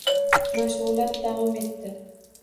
Mashg‘ulot davom etdi.